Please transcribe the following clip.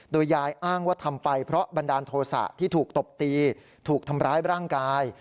โดยยายอ้างว่าทำไปเพราะบันดาลโทษะที่ถูกตบตีถูกทำร้ายร่างกาย